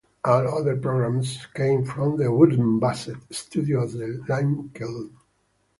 All other programmes came from the Wooton Bassett studios at the Lime Kiln.